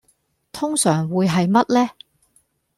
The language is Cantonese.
通常會係乜呢